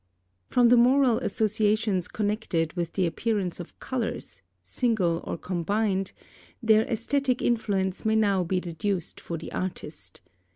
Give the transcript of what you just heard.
From the moral associations connected with the appearance of colours, single or combined, their æsthetic influence may now be deduced for the artist.